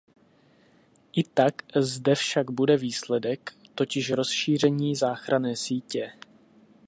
I tak zde však bude výsledek, totiž rozšíření záchranné sítě.